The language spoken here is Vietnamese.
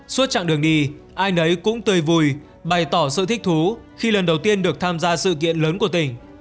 suốt chặng đường đi ai nấy cũng tươi vui bày tỏ sự thích thú khi lần đầu tiên được tham gia sự kiện lớn của tỉnh